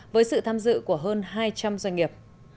với sự tham dự của hơn hai trăm linh doanh nghiệp